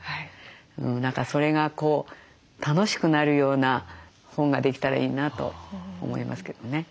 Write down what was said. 何かそれが楽しくなるような本ができたらいいなと思いますけどね。